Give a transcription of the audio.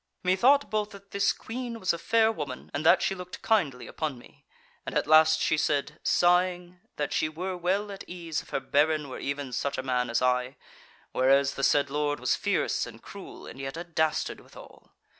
"Methought both that this Queen was a fair woman, and that she looked kindly upon me, and at last she said, sighing, that she were well at ease if her baron were even such a man as I, whereas the said Lord was fierce and cruel, and yet a dastard withal.